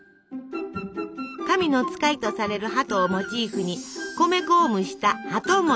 神の使いとされる鳩をモチーフに米粉を蒸した鳩餅。